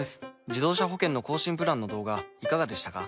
自動車保険の更新プランの動画いかがでしたか？